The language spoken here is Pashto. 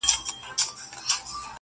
که پنجشېر دی- که واخان دی- وطن زما دی-